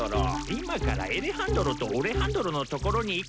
今からエレハンドロとオレハンドロの所に行くんだ。